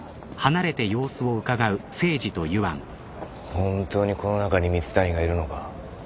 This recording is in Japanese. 本当にこの中に蜜谷がいるのか？